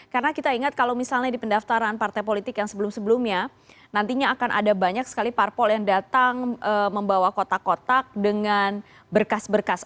karena kita ingat kalau misalnya di pendaftaran partai politik yang sebelum sebelumnya nantinya akan ada banyak sekali parpol yang datang membawa kotak kotak dengan berkas berkas